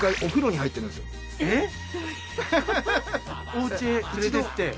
お家へ連れてって？